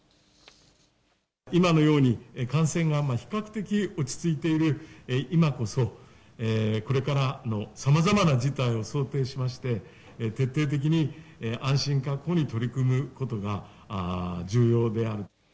今のように、感染が比較的落ち着いている今こそ、これからのさまざまな事態を想定しまして、徹底的に安心確保に取り組むことが重要である。